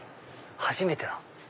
初めてだ。